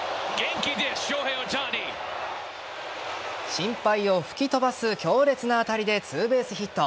心配を吹き飛ばす強烈な当たりでツーベースヒット。